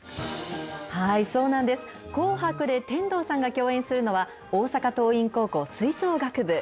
そうなんです、紅白で天童さんが共演するのは、大阪桐蔭高校吹奏楽部。